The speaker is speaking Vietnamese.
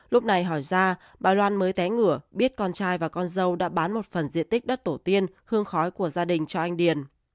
lúc này hỏi ra bà loan mới té ngửa biết con trai và con dâu đã bán một phần diện tích đất tổ tiên hương khói của gia đình cho anh điền